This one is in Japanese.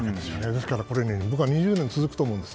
ですから、これは２０年続くと僕は思うんです。